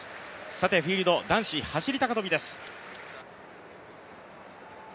さてフィールド男子走高跳です。